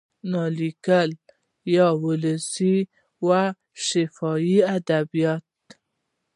نا لیکلي یا ولسي او شفاهي ادبیات